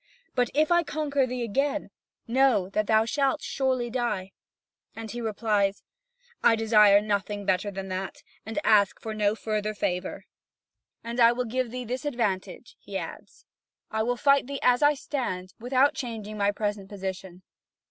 But, if I conquer thee again, know that thou shalt surely die." And he replies: "I desire nothing better than that, and ask for no further favour." "And I will give thee this advantage," he adds: "I will fight thee as I stand, without changing my present position."